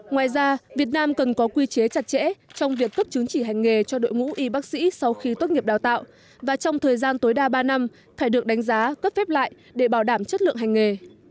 ngoài ra việt nam cần có quy chế chặt chẽ trong việc cấp chứng chỉ hành nghề cho đội ngũ y bác sĩ sau khi tốt nghiệp đào tạo và trong thời gian tối đa ba năm phải được đánh giá cấp phép lại để bảo đảm chất lượng hành nghề